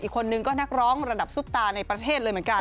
อีกคนนึงก็นักร้องระดับซุปตาในประเทศเลยเหมือนกัน